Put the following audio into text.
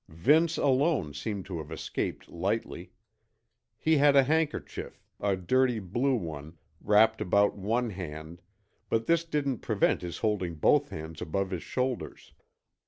Vince alone seemed to have escaped lightly. He had a handkerchief, a dirty blue one, wrapped about one hand, but this didn't prevent his holding both hands above his shoulders.